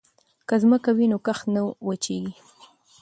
که ځمکه وي نو کښت نه وچيږي.